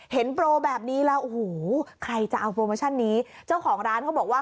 โปรแบบนี้แล้วโอ้โหใครจะเอาโปรโมชั่นนี้เจ้าของร้านเขาบอกว่า